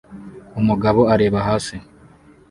Umugabo areba hasi